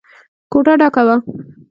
کوټه ډکه وه.